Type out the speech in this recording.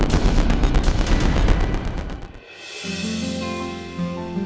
bertemu sama colour